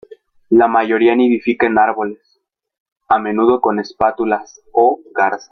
La mayoría nidifica en árboles, a menudo con espátulas o garzas.